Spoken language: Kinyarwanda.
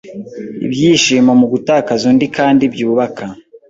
Ibyishimo mu gutakaza undi kandi byubaka